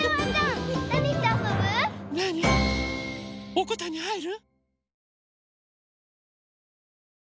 おこたにはいる？